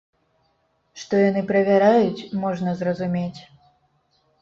Што яны правяраюць, можна зразумець.